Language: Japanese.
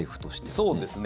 そうですね。